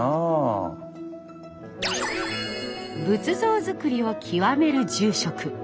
仏像作りを極める住職。